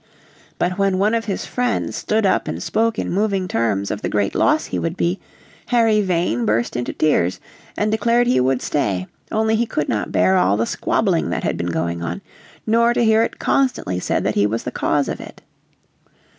But when one of his friends stood up and spoke in moving terms of the great loss he would be, Harry Vane burst into tears and declared he would stay, only he could not bear all the squabbling that had been going on, nor to hear it constantly said that he was the cause of it.